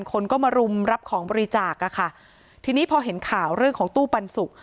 คนก็มารุมรับของบริจาคอ่ะค่ะทีนี้พอเห็นข่าวเรื่องของตู้ปันสุก